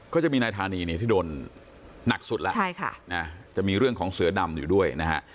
ก็จะมีนายธานีเนี่ยที่โดนหนักสุดแล้วจะมีเรื่องของเสือดำอยู่ด้วยนะฮะ